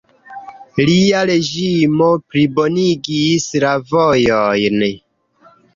Lia reĝimo plibonigis la vojojn.